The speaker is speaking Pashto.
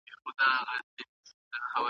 دنیا تېرېدونکي ده.